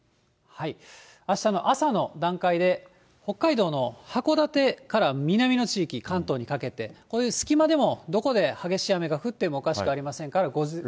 あしたの朝の段階で、北海道の函館から南の地域、関東にかけて、こういう隙間でもどこで激しい雨が降ってもおかしくありませんか